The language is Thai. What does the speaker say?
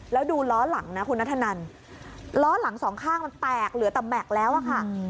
แล้วดูล้อหลังนะคุณนัทธนันล้อหลังสองข้างมันแตกเหลือแต่แม็กซ์แล้วอะค่ะ